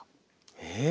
え！